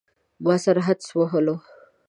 ما سره حدس وهلو.